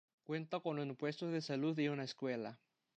Cuenta con un puesto de salud y una escuela.